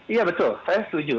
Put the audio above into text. iya betul saya setuju